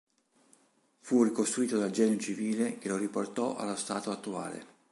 Fu ricostruito dal Genio Civile che lo riportò allo stato attuale.